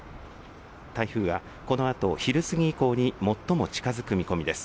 台風はこのあと昼過ぎ以降に最も近づく見込みです。